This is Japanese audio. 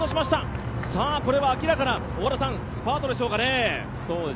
これは明らかなスパートでしょうかね。